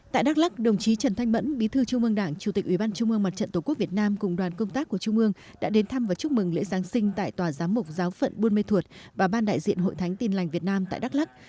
tại đắk lắc đồng chí trần thanh mẫn bí thư trung ương đảng chủ tịch ủy ban trung ương mặt trận tổ quốc việt nam cùng đoàn công tác của trung ương đã đến thăm và chúc mừng lễ giáng sinh tại tòa giám mục giáo phận buôn mê thuột và ban đại diện hội thánh tin lành việt nam tại đắk lắc